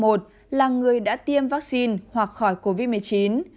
một là người đã tiêm vaccine hoặc khỏi covid một mươi chín